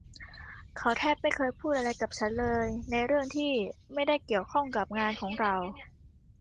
เขาแทบไม่เคยพูดอะไรกับฉันเลยในเรื่องที่ไม่ได้เกี่ยวข้องกับงานของเรา